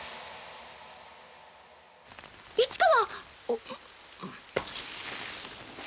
市川！